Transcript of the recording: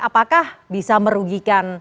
apakah bisa merugikan